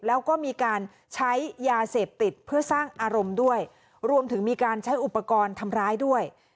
แล้วก็มีการใช้ยาเสพติดเพื่อสร้างอารมณ์ด้วยรวมถึงมีการใช้อุปกรณ์ทำร้ายด้วย